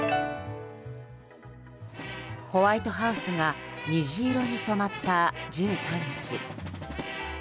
ホワイトハウスが虹色に染まった１３日。